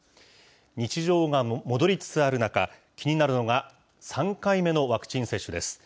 日常が戻りつつある中、気になるのが、３回目のワクチン接種です。